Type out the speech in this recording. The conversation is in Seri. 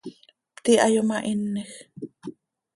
Pti hayomahinej.